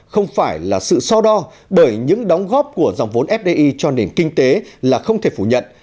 không phải là sự so đo bởi những đóng góp của dòng vốn fdi cho nền kinh tế là không thể phủ nhận